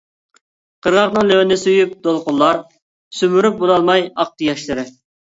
قىرغاقنىڭ لېۋىنى سۆيۈپ دولقۇنلار، سۈمۈرۈپ بولالماي ئاقتى ياشلىرى.